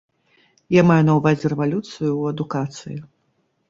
Я маю на ўвазе рэвалюцыю ў адукацыі.